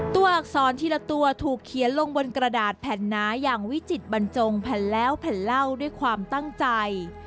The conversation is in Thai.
อักษรทีละตัวถูกเขียนลงบนกระดาษแผ่นหนาอย่างวิจิตบรรจงแผ่นแล้วแผ่นเล่าด้วยความตั้งใจ